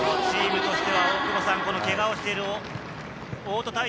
チームとしてはけがをしている大戸